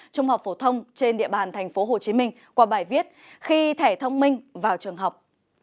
trung học phổ thông trên địa bàn tp hcm qua bài viết khi thẻ thông minh vào trường học